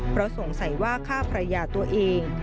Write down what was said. เพราะสงสัยว่าฆ่าภรรยาตัวเอง